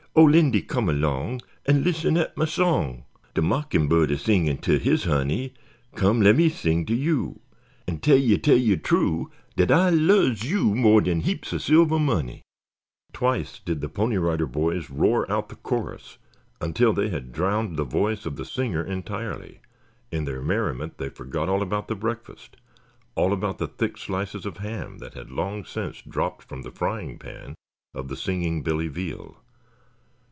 O Lindy, come erlong An' listen at my song; De mockin' bu 'd is singin' ter his honey, Come, lemme sing ter you An' tell you, tell you true, Dat ah loves you mo' dan heaps er silver money, Twice did the Pony Rider Boys roar out the chorus until they had drowned the voice of the singer entirely. In their merriment they forgot all about the breakfast, all about the thick slices of ham that had long since dropped from the frying pan of the singing Billy Veal.